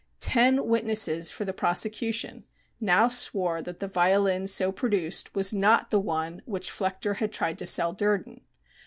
Ten witnesses for the prosecution now swore that the violin so produced was not the one which Flechter had tried to sell Durden.